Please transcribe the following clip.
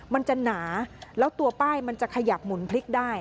มันจะหนาแล้วตัวป้ายมันจะขยับหมุนพลิกได้